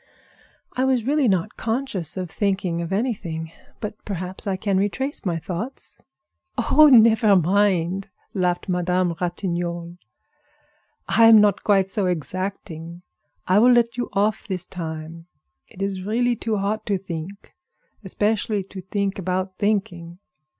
I was really not conscious of thinking of anything; but perhaps I can retrace my thoughts." "Oh! never mind!" laughed Madame Ratignolle. "I am not quite so exacting. I will let you off this time. It is really too hot to think, especially to think about thinking."